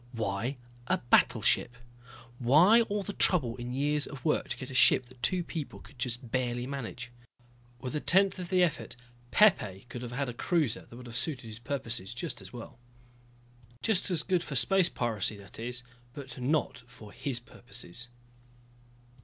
Why a battleship? Why all the trouble and years of work to get a ship that two people could just barely manage? With a tenth of the effort Pepe could have had a cruiser that would have suited his purposes just as well. Just as good for space piracy, that is but not for his purposes.